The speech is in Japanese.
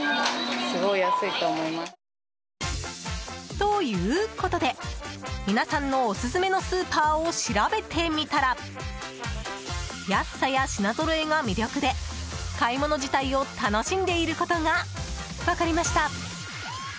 ということで皆さんのオススメのスーパーを調べてみたら安さや品ぞろえが魅力で買い物自体を楽しんでいることが分かりました。